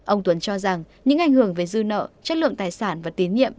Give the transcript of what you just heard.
ông tuấn cho rằng những ảnh hưởng về dư nợ chất lượng tài sản và tín nhiệm